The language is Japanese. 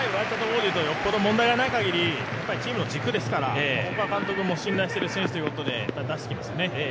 よっぽど問題がないかぎりチームの軸ですからここは監督、信頼している選手ということで出していきますね。